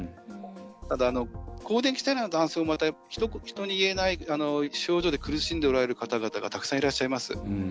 ただ、更年期世代の男性も人に言えない症状で苦しんでおられる方々がたくさんいらっしゃいます。